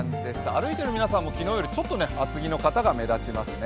歩いている皆さんも昨日よりちょっと厚着の方が目立ちますね。